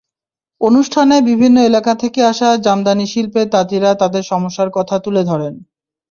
অনুষ্ঠানে বিভিন্ন এলাকা থেকে আসা জামদানিশিল্পের তাঁতিরা তাঁদের সমস্যার কথা তুলে ধরেন।